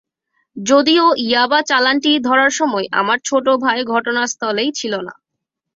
যদিও ইয়াবা চালানটি ধরার সময় আমার ছোট ভাই ঘটনাস্থলেই ছিল না।